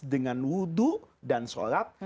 dengan wudhu dan sholat